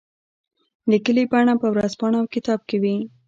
لیکلي بڼه په ورځپاڼه او کتاب کې وي.